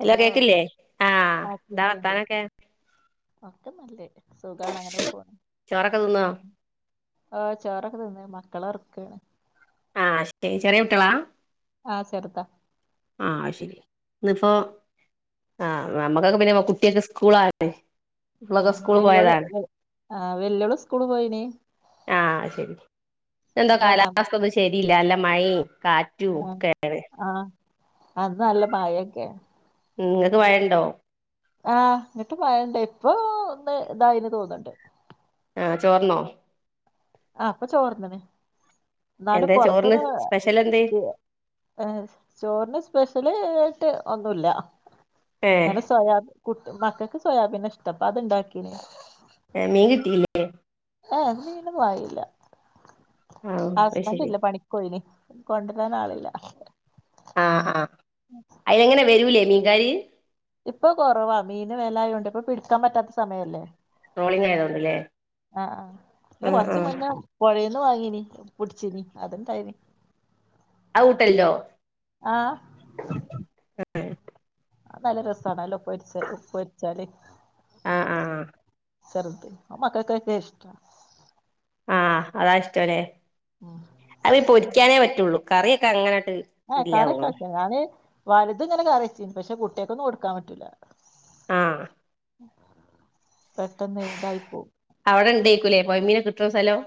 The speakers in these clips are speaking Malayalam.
ഹലോ കേക്കില്ലേ ആഹ് എന്താ വർത്താനൊക്കെ ഒക്ക നല്ലേ സുഖാണ് അങ്ങനെ പോ ചോറൊക്കെ തിന്നോ ആ ചോറൊക്കെ തിന്ന് മക്കള ഉറക്കാണ്. ആഹ് ചെറിയ കുട്ടികളാ ആ ചെറുതാ. ആ ശരി ഇന്ന് പ്പോ ആ നമ്മക്കൊക്കെ പിന്നെ കുട്ടിയൊക്കെ സ്കൂളിൽ ആയി ഇന്നോക്കെ ആഹ് സ്കൂൾ വെല്ല്യോള് പോയതാണ് ആഹ് വെല്ല്യോള് സ്കൂള് പോയിന് ആഹ് ശരി എന്താ രണ്ടാമ കാലാവസ്ഥന്നും ശരില്ല അല്ല. മൈ കാറ്റു കേട്ടത്. ആ ഇന്ന് നല്ല മയൊക്കെ. ഇങ്ങക്ക് മഴ ഉണ്ടോ. ആ ഇങ്ങോട്ട് മഴയുണ്ട് ഇപ്പോ ഒന്ന് ഇതായിണ്ട് തോന്നണ്ട്. ആ ചോർന്നോ ആ ഇപ്പൊ ചോർന്നുണ്. എന്നാലും എന്താ ചോറിന് പൊറത്തന്ന് സ്പെഷ്യൽ എന്തേ ഏ ചോറിന് സ്പെഷ്യഹ്. സ്പെഷ്യൽ ആയിട്ട് ഒന്നുമില്ല. ഏഹ് കാരണം സോയാബീ മക്കൾക്ക് സോയാബീന ഇഷ്ട അപ്പൊ അത് ഉണ്ടാക്കീണ്. ആ മീൻ കിട്ടീല്ല. [inaudible] [unintelligible] ആഹ് അത് ഹസ്ബൻഡ് ശരി ഇല്ല പണിക്കുപോയിന് കൊണ്ടുവരാൻ ആളില്ല. ല്ല. ആഹ് ആഹ് അയൽ എങ്ങനെ വരൂലേ മീന് ഗര [inaudible] ഇപ്പൊ കുറവാ മീന് വിലായോണ്ട് ഇപ്പൊ പിടിക്കാൻ പറ്റാത്ത സമയല്ലേ ട്രോളിംഗ് ആയതോൊണ്ട് ല്ലേ ആഹ് ഉം ഉം. ന്ന് വാങ്ങീന് പുടിച്ചീന് അതണ്ടായിന്. ഔട്ടല്ലോ. ആഹ് ശ. അത് നല്ല രസണല്ലോ ഉപ്പിച്ച ഉപ്പടിച്ചാല് ആഹ് [unintelligible] ആഹ് സർദി അത് മക്കക്ക്‌ വലിയ ഇഷ്ട്ടാ ആ അതാ ഇഷ്ട്ടം അല്ലെ ഉം അത് പൊരിക്കാനേ പറ്റുള്ളൂ കറിയൊക്കെ അങ്ങനെ - ആ കറിക്കെക്കെ വയ്ക്കാം അതേ [unintelligible] വലുതും ഇങ്ങനെ കറിവെച്ച് പക്ഷെ കുട്ടികക്കൊന്നും കൊടുക്കാൻ പറ്റൂല്ല ആഹ് [inaudible] പെട്ടെന്ന് ഇതായിപ്പോവും ഇല്ലേ പൊഴമീനോക്കെ കിട്ടുന്ന സ്ഥലം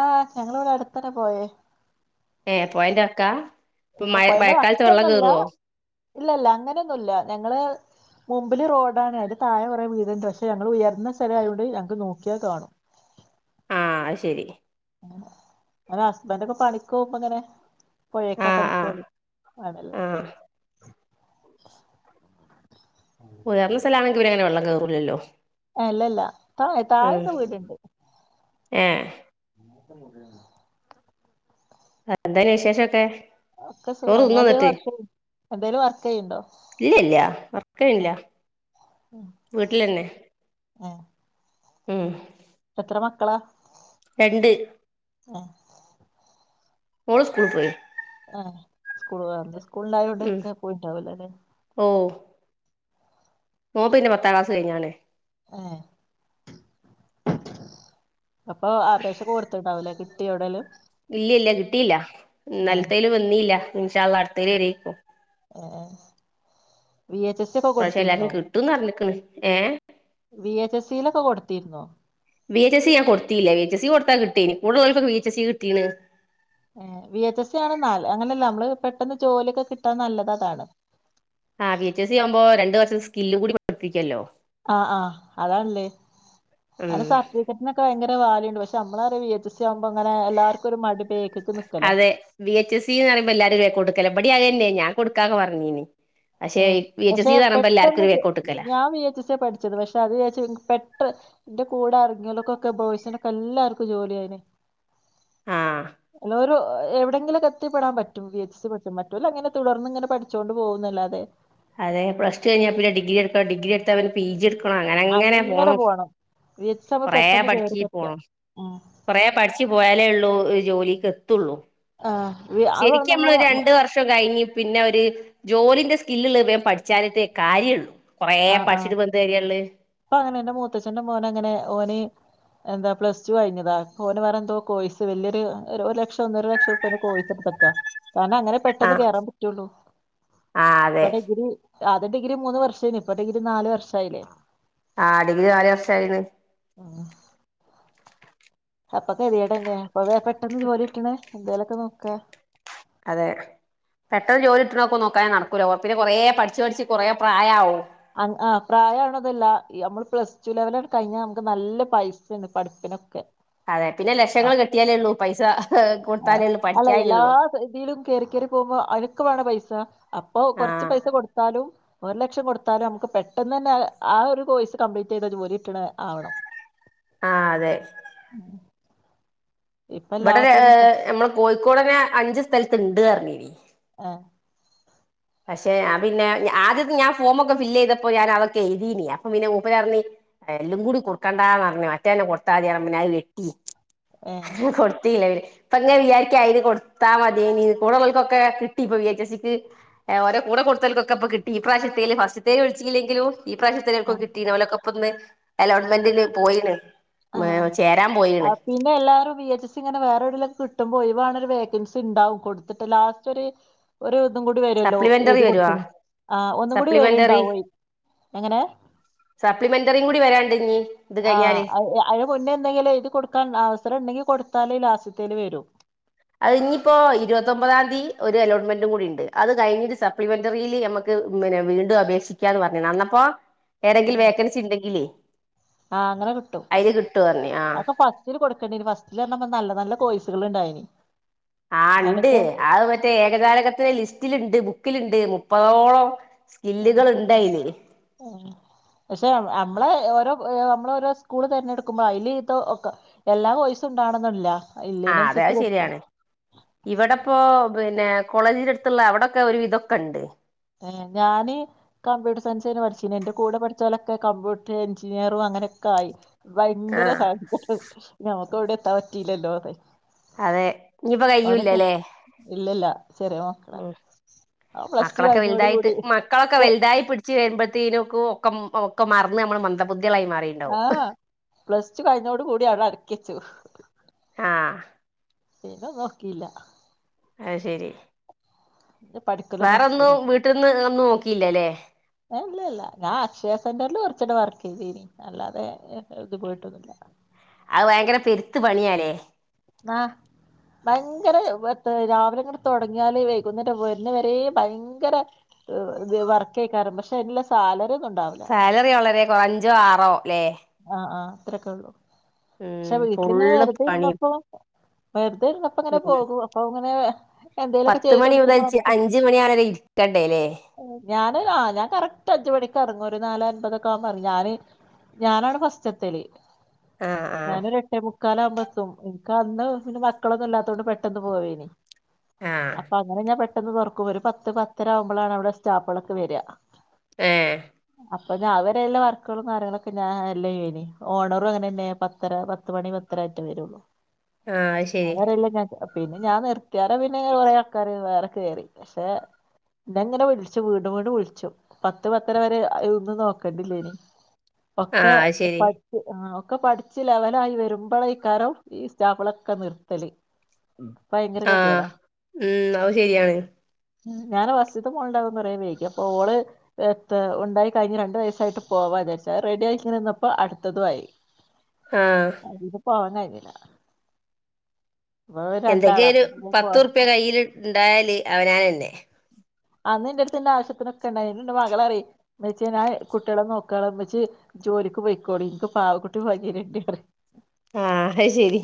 ആഹ് ഞങ്ങളെ ഇവെടെ അട്ത്തെന്നെ പൊഴെ ഏഹ് പൊഴെന്റെ വക്കാ? ആഹ് മഴ പൊഴെന്റെ മഴക്കാലത്ത് വെള്ളം വക്കൊന്നും അല്ല കേറുവോ ഇല്ല ഇല്ല അങ്ങനെയൊന്നു ഇല്ല ഞങ്ങെൾ മുമ്പ്ൽ റോഡാണ് അയിന്റെ താഴെ കൊറെ വീട് പക്ഷെ ഞങ്ങെൾ ഉയർന്ന സ്ഥലം ആയോണ്ട് ഞങ്ങെക്ക് നോക്കിയാ കാണും. ആഹ് ശരി ഇങ്ങെനെ ഹസ്ബെന്റ് ഒക്കെ പണിക്ക് പോവുമ്പം ഇങ്ങെനെ പൊഴെക്കാ ആഹ് പണിക്ക് ആഹ് പോവെൽ ആണ് അല്ലെ ആഹ് ഉയെര ഇള്ള സ്ഥലാണെങ്കി ഇവെരെങ്ങെനെ വെള്ളം താകുലല്ലോ അല്ല അല്ല താഴെ താഴെക്കെ വീട് ഇണ്ട് ഏഹ് ആഹ് എന്തെയ്നി വിശേഷം ഒക്കെ? ഒക്കെ സുഖാ ഇങ്ങെൾ എന്തെലും വർക്ക് ചെ എന്തെലും വർക്ക് ചെയ്യ്ണ്ടോ? ഇല്ല ഇല്ല്യ വർക്ക് ചെയ്യ് ഇല്ല വീട്ട്ലെന്നെ ഏഹ് ഉം ത്ര മക്കളാ? രണ്ട് ആഹ് ഓള് സ്കൂൾ പോയി ആഹ് സ്കൂള [unintelligible] സ്കൂൾ ഉം ഉണ്ടായോണ്ടൊക്കെ പോയിണ്ടാവോലോല്ലേ ഓം പിന്നെ പത്താം ക്ലാസ് കഴിഞ്ഞാണേ ഏഹ് അപ്പൊ ആപേശ കൊടുത്ത്ണ്ടാവില്ലേ കി ട്ടിയോ എവിടേലും ഇല്ല്യ ഇല്ല്യ കിട്ടീല്ല ന്നലത്തേല് വന്നീല്ല ഇൻശാള്ള അടുത്തേല് വരേയ്ക്കും ആഹ് പക്ഷെ എല്ലാർക്കും കിട്ടുംന്ന് അർഞ്ഞിക്ക്ണ് ഏഹ് വി എച്ച് സിലൊക്കെ കൊടുത്തിരുന്നോ വി എച്ച് എസി ഞാൻ കൊടുത്തില്ല വി എച്ച് ‌എസി കൊടുത്താ കിട്ടീന് [unintelligible] വി എച്ച് ‌എസി കിട്ടീന് ആഹ് വി എച്ച് എസി ആണ് നാല് അങ്ങനെല്ല നമ്മള് പെട്ടെന്ന് ജോലിയൊക്കെ കിട്ടാൻ നല്ലത് അതാണ് ആഹ് വി എച്ച് എസി ആവുമ്പോ രണ്ട് വർഷം സ്കില്ല് കൂടി പഠിപ്പിക്കല്ലോ ആഹ് ആഹ് അതാണ്ല്ലേ ഉം അതിന്റെ സർട്ടിഫിക്കറ്റിനൊക്കെ ഭയങ്ക ര വാല്യൂ ഇണ്ട് പക്ഷേ നമ്മളാരും വി എച്ച് എസി ആവു അതെ വി എച്ച് ‌സി ന്ന് പറയുമ്പോ എല്ലാരും ബേക്കോട്ട്ക്കല ഇപടി അതെ ഇല്ലേ ഞാൻ കൊടുക്കാന്ന് പറഞ്ഞീന് ഏ പക്ഷെ പെട്ടന്ന് ഒരു ബേക്കോട്ട്ക്കലാ ഞാൻ വി എച്ച് എസിയ പഠിച്ചത് പക്ഷെ അത് [unintelligible] പെട്ട ന്റെ കൂടെ അറങ്ങിയോൽക്കൊകെ ബോയ്സിനൊക്കെ എല്ലാർക്കും ജോലിയായീന് ആഹ് എല്ലോരു എവിടെങ്കിലും ഒക്കെ എത്തി പെടാൻ പറ്റും വി എച്ച് സി പഠിച്ച മറ്റോലങ്ങനെ തുടർന്ന് ങ്ങനെ പഠിചോണ്ട് പോകുന്നല്ലാ തെ അതെ പ്ലസ്ടു കഴിഞ്ഞാ പിന്നെ ഡിഗ്രി എടുക്ക ഡിഗ്രി അടുത്ത പിന്നെ പിജി എടു ക്കുണു അങ്ങനെ അങ്ങനെ പോണു വി എച്ച് എസ് സി ആവുമ്പോ കൊറേ പെട്ടെന്ന് കേറി പഠിച്ച് പറ്റാ പോണം ഉം കൊറേ പഠിച്ച് പോയാലേ ഉള്ളൂ ജോലിക്ക് എത്തുള്ളൂ ആഹ് വി ശരിക്കും അവിടന്നങ്ങനെ അമ്മള് രണ്ട് വർഷം കഴിഞ്ഞ് പിന്നെ അവര് ജോലിന്റെ സ്കില്ല്ലെ വേം പഠിച്ചാനിട്ടെ കാര്യുള്ളൂ ആഹ് ആഹ് പ്പൊ അങ്ങനെ എന്റെ മൂത്തച്ഛന്റെ മോന അങ്ങനെ ഓന് എന്താ പ്ലസ് ടു കഴിഞ്ഞതാ പോന് വേറെ എന്തോ കോയിസ് വലിയൊരു ഒരു ലക്ഷം ഒന്നര ലക്ഷം ഉർപ്പ്യാൻ്റെ കോഴസ്ടുത്തക്കാ കാരണം അങ്ങനെ പെട്ടെന്ന് ആഹ് കേറാൻ പറ്റുള്ളൂ ആഹ് അതെ ഇവിടെ ഇവര് ആദ്യം ഡിഗ്രി മൂന്ന് വർഷെയ്ന് ഇപ്പൊ ഡിഗ്രി നാല് വർഷായിലേ ആ ഡിഗ്രി നാല് വർഷായിന്ന് ഉം അപ്പൊ കെതിയാടെന്നാ ഇപ്പൊതെ പെട്ടെന്ന് ജോലിട്ട്ണ് എന്തേലൊ ഇപ്പൊ നോക്ക് അതെ പെട്ടെന്ന് ജോലി കിട്ട്ണത് ഒക്കെ നോക്കാതെ നടക്കൂല പിന്നെ കുറേ പഠിച്ചു പഠിച്ച് കൊറേ പ്രായാവും. ആ ആഹ് പ്രായാവ്ണതുഅല്ല ഇ നമ്മള് പ്ലസ്ടു ലെവൽ അണ് കഴിഞ്ഞാൽ നമുക്ക് നല്ല പൈസേണ് പഠിപ്പിനൊക്കെ. അതെ പിന്നെ ലക്ഷങ്ങൾ കിട്ടിയാലേ ഉള്ളൂ പൈസ ആഹ് കൊടുത്താലേ ഉള്ളൂ അല്ല എല്ലാ പഠിക്കായികയുള്ളൂ. സ അപ്പൊ കൊറച്ച് പൈസ കൊടുത്താലും. ഒരു ലക്ഷം കൊടുത്ത തലും നമുക്ക് പെട്ടെന്ന് തന്നെ ആ ഒരു കോഴ്സ് കംപ്ലീറ്റ് ചെയ്ത ജോലി കിടുണആവണം. ആഹ അതെ. ഇപ്പ ഇവിടെ എല്ലാത്തിനും ഹ് കോഴിക്കോടന്നെ അഞ്ച് സ്ഥലത്ത് ഇ ണ്ടെന്ന് മരി ആ പക്ഷെ ഞാൻ പിന്നെ ആദ്യമൊക്കെഞാൻ ഫോമൊക്കെ ഫില് ചെയ്തപ്പോ ഞാൻ അതൊക്കെ എഴുതിയെന്ന്. അപ്പൊ പിന്നെ മൂപ്പര് പറഞ്ഞു. എല്ലും കൂടി കൊടുക്കണ്ട മറ്റേ കൊടുത്താൽ മതി അത് വെട്ടി. ഏഹ് കൊടുത്തില്ല [inaudible] ഇപ്പോ ഇങ്ങനെ വിചാരിക്കുകയാണ് അതിൽ കൊടുത്താൽ മതിയിന്. കൂടെയുള്ളവർക്കൊക്കെ വിഎച്ച്എസ്ഇക്ക് കിട്ടി. അവരെ കൂടെ കൊടുത്തു അവർക്കൊക്കെ കിട്ടി ഇപ്രാവശ്യത്തേതിൽ. ഫസ്റ്റ്ത്തേതിൽ വിളിച്ചില്ലെങ്കിലും. ഈ പ്രാവശ്യത്തെ അവർക്കൊക്കെ ആഹ് കിട്ടി. ഓലൊക്കെ ഇപ്പന്ന് അലോൺ്മെന്റിന് പോയിന്. മേം ചേരാൻ പോയിണ്. വിഎച്ച്എസി ഇങ്ങനെ വേറെ എവിടെയെങ്കിലും കിട്ടുമ്പോൾ ഒഴിവാക്കുന്ന വേക്കൻസി ഉണ്ടാവും കൊടുത്തിട്ടാല് ലാസ്റ്റ് ഒരു [unintelligible] വരുല്ലോ സപ്ലിമെന്ററി എഴുതി വരുവാ കൊടുത്ത്ണ് ആഹ് ഒന്നും കൂടി സപ്ലിമെന്ററി വരുണ്ടാവേ എങ്ങനെ സപ്ലിമെന്ററും കൂടി വരാണ്ട് ഞി. ആഹ് അ മുനെ എന്തെങ്കിലും എഴുതി കൊടുക്കാൻ അവസരം ഉണ്ടെങ്കിൽ കൊടുത്താലില്ല. അടുത്തതിൽ വരും. അത് ഇനിയിപ്പോൊ ഇരുപത്തി ഒമ്പതാം തീ. അലോട്ട്മെന്റും കൂടി ഉണ്ട്. അത് കഴിഞ്ഞിട്ട് സപ്ലിമെന്ററിയിൽ നമമ്മക്ക് പിന്നെ വീണ്ടും. അപേക്ഷിക്കാ എന്ന് പറഞ്ഞ അന്നപ്പോ ഏതെങ്കിലും വേക്കൻസി ഉണ്ടെങ്കില് ആഹ അങ്ങനെ കിട്ടും. പറഞ്ഞ് ആ അപ്പം ഫസ്റ്റില് കൊടുക്കണ്ടേന്ന് ഫസ്റ്റില് നല്ല നല്ല കോഴ്സ് യ്സ് കൾ ണ്ടായിനി ആ ഉണ്ട് ആഹ് മറ്റേ ഏകജാലകത്തിലെ ലിസ്റ്റിലുണ്ട്. ബുക്ക് ക്കി ലുണ്ട് മുപ്പതോ ളം ആ പക്ഷെ നമ്മളെ ഓരോ മം നമ്മൾ ഓരോ സ്കൂൾ തെരഞ്ഞെടുക്കുമ്പോൾ അതില് ഇത് ഒക്കെ എല്ലാ വോയിസ് ഉണ്ടാകണമെന്നില്ല. ആ അത് ശെരിയാണ് ഇവിടെപ്പോ പിന്നെ കോളേജ് അടുത്തുള്ള അവിടൊക്കെ ഒരു വിധം ഒക്കെ ഉണ്ട്. ഹ് ഞാന് കമ്പ്യൂട്ടർ സയൻസിന് പഠിച്ചിരുന്നു. എന്റെ കൂടെ പഠിച്ചവരൊക്കെ കമ്പ്യൂട്ടർ എൻജിനീയർ അങ്ങനെയൊക്കെ ആയി. ആ ഭയങ്കര സാകൂട്ട് നോ വിടെ എത്താ പറ്റില്ലല്ലോ അതെ അതെ ഇനിയിപ്പോ രക്കെ കയ്യൂല്ലല്ലേ ഇല്ലില്ല ചെറിയ മക്കള ഉം ആ പ്ല മക്കളൊക്കെ വലുതായിട്ട് മക്കളൊക്കെ വലുതായി പിടിച്ച് വരുമ്പഴേത്തേനൊക്കു ഒക്കം ഒക്കെ മറന്ന് നമ്മൾ മന്ദബു ആഹ് പ്ലസ് ടു കഴിഞ്ഞോട് കൂടി അ കിച്ചു ആഹ് പിനെ നോക്കില്ല അയ്ശരി പഠിക്കല് വേറെന്ന് നടക്കൂല വീട്ടിൽന്ന് ഒന്ന് നോക്കി ഇല്ലല്ലേ. ഇല്ല ഇല്ല ഞാൻ അക്ഷയ സെന്ററിൽ കുറച്ചിട വർക്ക് ചെയ്തീനി അല്ലാതെ ഇത് പോയിട്ടൊന്നില്ല. അത് ഭയങ്കര പെരുത്ത് പണിയാനേ ആ ഭയങ്കര രാവിലെങ്ങട് തൊടങ്ങിയാല് വൈകുന്നേരവരണവരെയും ഭയങ്കര വർക്കയിക്കാറും പക്ഷെ അയിനുള്ള സാലറി ഒന്നും ഉണ്ടാവില്ല സാലറി വളരെ കു അഞ്ചോ ആറോ ല്ലേ ത്രക്കെള്ളൂ. ഉം പക്ഷെ വീട്ടിലിങ്ങനെ ഫുള്ള് വെറുതെ പണി ഇരുന്നപ്പോ വെറുതെ ഇരുന്നപ്പങ്ങനെ ഉം പോകും അപ്പൊ [unintelligible] എന്തേലൊക്കെ പത്ത് ചെയ്ത് മണി കൊടുക്കുമ്പോ മുതൽ നമ്മക്ക് അഞ്ച് മണി വരെ ഇരിക്കണ്ടേല്ലേ ഞാന് ആ ഞാൻ കറക്റ്റ് അഞ്ച മണിക്ക് എറങ്ങും ഒരു നാലെ അൻപതൊക്കെ ക്കാൻ പറിം ഞാന് ഞാനാണ് ഫസ്റ്റെത്തല് ആഹ് ആഹ് ഞാനൊരെട്ടേ മു ക്കാലാവ്മ്പം എത്തും അന്ന് പിന്നെ മക്കളൊന്നും ഇല്ലാത്തോണ്ട് പെട്ടെന്ന് പോവേനി ആഹ് അപ്പൊ അങ്ങനെ ഞാൻ പെ പെട്ടെന്ന് തൊറക്കും ഒരു പത്ത് പത്തര ആകുമ്പളാണ് അവിടെ സ്റ്റാഫളൊക്കെ വര ഏഹ് അപ്പം ഞാൻ അത് വരെ ല്ലെ വർക്കുകളും കാര്യങ്ങളൊക്കെ ഞാൻ ഹാൻഡ്‌ലെയ്യെനി ഓണറും അങ്ങനെ തന്നെ പത്തര പത്ത് മണി പത്തര ആയിട്ടേ വരുള്ളൂ ആഹ് അത് ശരി. അവരെല്ലാം ഞാൻ പിന്നെ ഞാൻ നിർത്തിയാലോ പിന്നെ കുറെ ആൾക്കാര് വേറെ കയറി പക്ഷെ ഇന്നെങ്ങനെ വിളിച്ചു വീണ്ടും വീണ്ടും വിളിച്ചു പത്ത് പത്തര വരെ ഒന്നും നോക്കണ്ടില്ലേനി. ഒക്കെ ആഹ് അത് ശരി പച്ച് ആഹ്. ഒക്കെ പഠിച്ചില്ല അവനായി വരുമ്പോഴ ഈക്കാരം ഈ. എക്സാമ്പിൾ നിർത്തല്. ഭയങ്കര ഗതികേടാ ആഹ് ഉം അത് ശരിയാണ്. ഞാൻ ഫസ്റ്റ്ത്തെ മോൾ ഉണ്ടായപ്പോൾ പറയും വേിക്കും ഓള് ഉണ്ടായി കഴിഞ്ഞു രണ്ടു വയസായിട്ട് പോകാത്തായി സാർ റെഡി ആയി നിന്നപ്പോ അടുത്തതു ആയി. ആഹ് അപ്പോ പോവാനായി ഇല്ല എന്തൊക്കെയായാലും അപ്പൊ ഒരു പിന്നെ പോവാൻ പത്തുറുപ്പിയ കയ്യിൽ ഇണ്ടായാല് അവനാനെന്നെ. അന്ന് എന്റെ അടുത്ത് ആവശ്യത്തിനൊക്കെ ഇണ്ടായിനി മകള് അറിയാ എന്ന് വെച്ചാൽ ഞാൻ കുട്ടികളെ നോക്കാ ഉമ്മച്ചി ജോലിക്ക് പോയിക്കോടി എനിക്ക് പാവകുട്ടി വലിയ രണ്ട് പറയും. ആഹ് അത് ശരി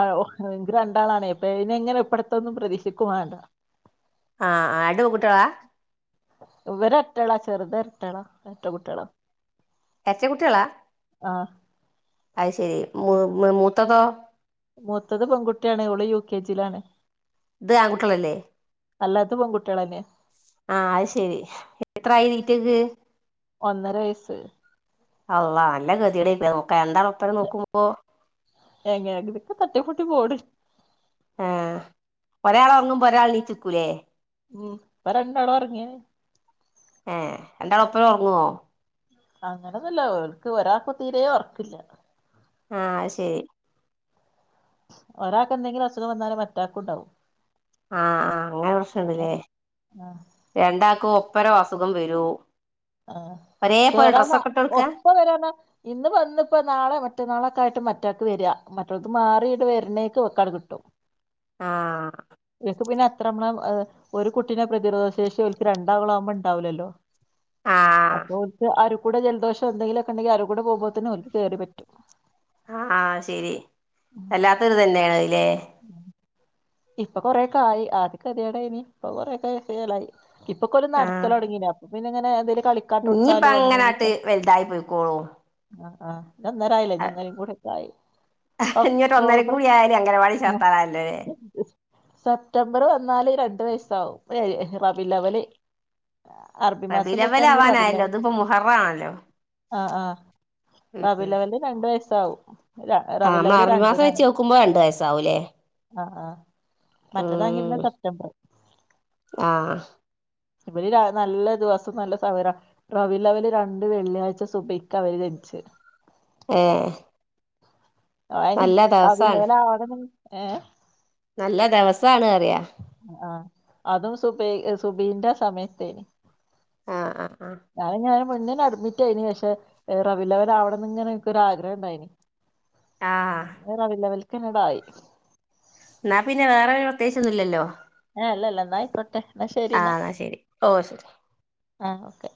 ആഹ് എനിക്ക് രണ്ടാള് ആണ്, അപ്പ ഇനി എങ്ങനെ ഇപ്പടത്തെ ഒന്നും പ്രതീക്ഷിക്കും വേണ്ട. ആഹ് ആഹ് രണ്ട് പെൺകുട്ടികളെ. ഇവരെ ഒറ്റയാള് ചെറുത് ഇരട്ടകളാ ഇരട്ടക്കുട്ടികൾ. ഇരട്ടക്കുട്ടികൾ ആഹ് അത് ശെരി മു മു മൂത്തതോ? മൂത്തത് പെൺക് ഇത് ആൺകുട്ട്യേളെല്ലെ അല്ലാത്ത പെൺകുട്ട്യേളന്നെ ആഹ് അഹ് ശെരി എത്രായി തിറ്റേക്ക് ഒന്നര വയസ്സ് അള്ള നല്ല കെത്യേടെക്കാരം നോ [unintelligible] ഒപ്പരം നോക്കുമ്പോ എങ്ങാണ്ടിക്ക തട്ടീം മുട്ടീക്ക പോണ് ആഹ് ഒരാള് ഒങ്ങുമ്പോ ഒരാള് ണിച്ചിക്കൂലേ മ്ഹ് ഇപ്പ രണ്ടാളുമൊറങ്ങിയോ? ഏ രണ്ടാളെപ്പോഴും ഉറങ്ങുവോ? അങ്ങനെന്നല്ല ഒക്ക് ഒരാൾക്ക തീരെേ ഉറക്കില്ല. ആഹ് ശരി ഒരാൾക്ക് എന്തെങ്കിലും അസുഖം വന്നാലേ മറ്റാൾക്കും ഉണ്ടാവും. ആഹ് ആഹ് അങ്ങനെ പ്രശ്നുണ്ടല്ലേ? അതല്ലേ ആഹ് രണ്ടാക്കു പ്പറം അസുഖം വരൂ ആ ശെ വരാന്നാ കൊടുക്കാ ഒപ്പ വരാന്ന ഇന്ന് വന്നിപ്പ നാളെ മറ്റന്നാളൊക്കെ ആയിട്ട് റ്റക്ക് വരിക മറ്റുള്ളത് മാറിയിടെ വരണേക്ക് വെക്കാൻ കിട്ടും ഇവക്ക് പിന്നെ ആഹ് അത്ര നമ്മള ഒരു കുട്ടീനെ പ്രതിരോധ ശേഷി ഒര്ക്ക് രണ്ടാവളും ആവുമ്പോ ഉണ്ടാവില്ലല്ലോ ആഹ് [unintelligible] കൂടെ ജലോഷം എന്തെങ്കിലൊക്കെണ്ടെങ്കിൽ അരൂ കൂടെ പൊവുംമ്പത്തേക്കിനും കേറി പറ്റും ആഹ് ശരി. വല്ലാത്തൊരിതന്നെണത് ലേ? [inaudible] ഇപ്പൊ കൊറേക്കെ ആയി. ആദിക്കെദ്യെടേനി, ഇപ്പൊ കൊറേക്കെ ചേലായി. ഇപ്പൊക്കോല് ആഹ് നടക്കലൊട്ങ്ങീണ്, തൊടങ്ങിയില്ല അപ്പൊ പിന്നെ ഇങ്ങനെ എന്തേലും ഇഞ്ഞിപ്പ കളിക്കാട്ടൊട്ത്താലും അങ്ങനാട്ട് അങ്ങനിങ്ങനൊക്കെ വലുതായി പോയിക്കോളൂ ആഹ് ആഹ് [unintelligible] ഇഞ്ഞി ഒരു ഒന്നര ഒക്ടോബർ കൂടി ആയാല് അംഗനവാടി ചേർത്താനായല്ലോല്ലേ സെപ്റ്റംബർ വന്നാല് രണ്ടു വയസ്സാവും ഏഹ് റബില്ലവല് അറബി മാസം കൂട്ടാണെങ്കി റബീഉലവ്വലാവാനായല്ലോ റബില്ലവൽ ഇതിപ്പോ മുഹറാണല്ലോ അഹ് ആഹ് റബില്ലവല് രണ്ട് വയസ് സൗ [unintelligible] ആഹ് മ്മളെ അറബി മാസം വെച്ച് നോക്കുമ്പോ രണ്ട് വയസാവൂലേ ആ ആ മറ്റേതാങ്കി പിന്നെ സെപ്റ്റംബർ [unintelligible] ആഹ് ഇവര് ര നല്ല ദിവസം നല്ല സമയ റബില്ലവല് രണ്ട് വെള്ളിയാഴ്ച സുബ്ഹിക്കാവര് ജനിച്ച് ഏ [unintelligible] ഏ നല്ല ദിവസാണ് അറിയ ഉം ആ അതും സുബയ് സുബയ്ൻ്റെ ആ സമയത്തേയ് ആ ആ ആ മുന്നേന്നെ അഡ്മിറ്റേയിന് പക്ഷേ ഏ റബില്ലവലാവണംന്ന് ഇങ്ങനെ എനിക്കൊരു ആഗ്രഹം ഉണ്ടായിന് ആഹ് റബില്ലവ്വൽ കനടായി ന്നാ പിന്നെ വേറെ പ്രത്യാകിച്ചൊന്നുല്ലല്ലോ ഏഹ് അല്ലല്ല ന്നായിക്കോട്ടെ ആ ന്നാ ശരി ഓ ശരി ആ ഓക്കെ